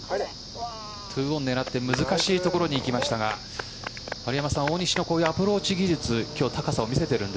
２オン狙って難しいところにいきましたが丸山さん、大西のアプローチ技術